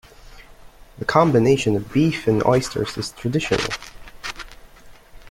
The combination of beef and oysters is traditional.